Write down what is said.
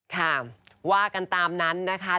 ค่ะว่ากันตามนั้นนะคะ